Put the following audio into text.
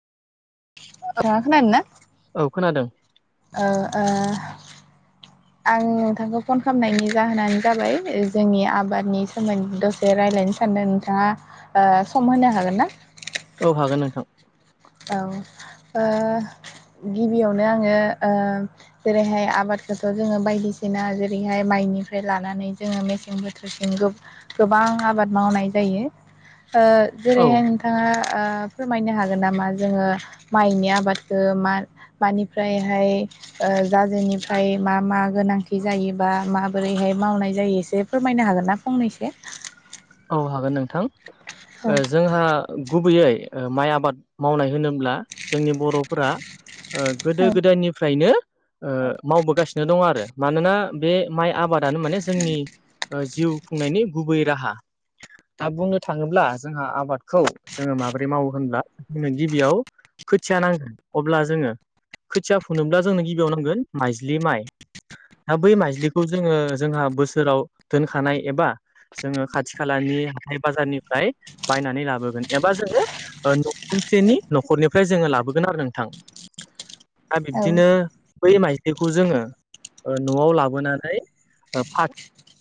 नोंथाङा खोनादोंना औ खोनादों ओ ओ आं नोंथांखौ फन खालामनायनि जाहोनानो जाबाय जोंनि आबादनि सोमोन्दै द जे रायज्लायनो सानदों नोंथाङा सम होनो हागोन ना औ हागोन नोंथां औ ओ गिबियावनो आङो ओ जेरैहाय आबादखौथ' जोङो बायदिसिना जेरैहाय माइनिफ्राय लानानै जोङो मेसें बोथोर सिंग्रोब गोबां आबाद मावनाय जायो औ जेरैहाय नोंथाङा फोरमायनो हागोन नामा जोङो माइनि आबादखौ मा मानिफ्रायहाय जाजेनिफ्राय मा मा गोनांथि जायोबा माबोरैहाय मावनाय जायो एसे फोरमायनो हागोन ना फंनैसो औ हागोन नोंथां औ ओ जोंहा गुबैयै ओ माइ आबाद मावनाय होनोब्ला जोंनि बर'फोरा ओ गोदो औ गोदायनिफ्रायनो ओ मावबोगासिनो दं आरो मानोना बे माइ आबादानो माने जोंनि जिउ खुंनायनि गुबै राहा। दा बुंनो थाङोब्ला जोंहा आबादखौ जोङो माबोरै मावो होनब्ला जोङो गिबियाव खोथिया नांगोन अब्ला जोङो खोथिया फुनोब्ला जोंनो गिबियाव नांगोन माइज्लि माइ। दा बै माइज्लिखौ जोङो जोंहा बोसोराव दोनखानाय एबा जोङो खाथि खालानि हाथाय बाजारनिफ्राय बायनानै लाबोगोन एबा जोङो न' खरसेनि न'खरनिफ्राय जोङो लाबोगोन आरो नोंथां। [inaudible] दा बिब्दिनो बै माइजलिखौ जोङो न'आव लाबोनानै फा